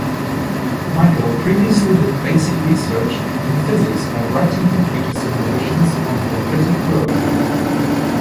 Michael previously did basic research in physics by writing computer simulations on dendritic growth.